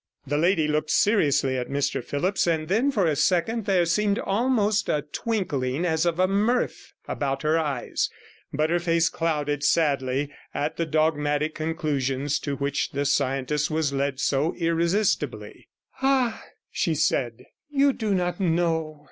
41 The lady looked seriously at Mr Phillipps, and then for a second there seemed almost a twinkling as of mirth about her eyes, but her face clouded sadly at the dogmatic conclusions to which the scientist was led so irresistibly. 'Ah!' she said, 'you do not know.